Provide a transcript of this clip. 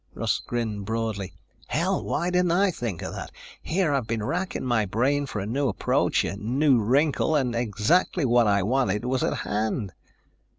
Russ grinned broadly. "Hell, why didn't I think of that? Here I've been racking my brain for a new approach, a new wrinkle ... and exactly what I wanted was at hand."